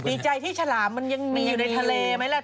นี่คือใจที่ชะลัมมันยังมีอยู่ในทะเลไหมละ